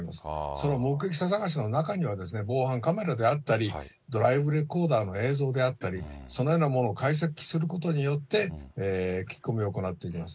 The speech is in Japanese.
その目撃者捜しの中には、防犯カメラであったり、ドライブレコーダーの映像であったり、そのような者を解析することによって、聞き込みを行っていきます。